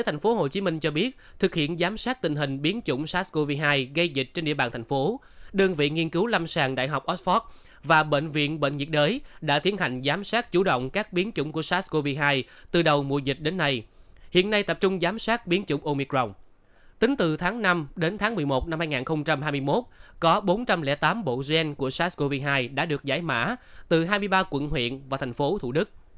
tính từ tháng năm đến tháng một mươi một năm hai nghìn hai mươi một có bốn trăm linh tám bộ gen của sars cov hai đã được giải mã từ hai mươi ba quận huyện và thành phố thủ đức